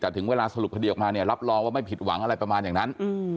แต่ถึงเวลาสรุปคดีออกมาเนี่ยรับรองว่าไม่ผิดหวังอะไรประมาณอย่างนั้น